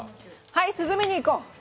はい涼みに行こう！